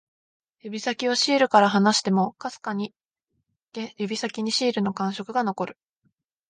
指先をシールから離しても、かすかに指先にシールの感触が残る